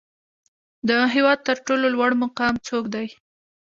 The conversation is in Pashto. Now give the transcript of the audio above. د هیواد تر ټولو لوړ مقام څوک دی؟